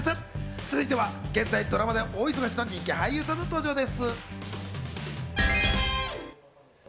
続いては現在ドラマで大忙しの人気俳優さんの登場です。